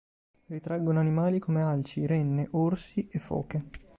Ritraggono animali come alci, renne, orsi e foche.